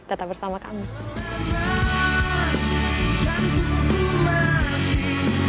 tetap bersama kami